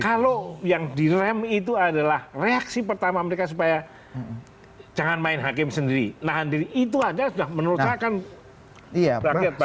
kalau yang direm itu adalah reaksi pertama mereka supaya jangan main hakim sendiri nahan diri itu aja sudah menurut saya kan rakyat banyak